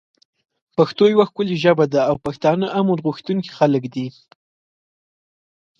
پښتو یوه ښکلی ژبه ده او پښتانه امن غوښتونکی خلک دی